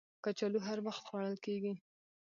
کچالو هر وخت خوړل کېږي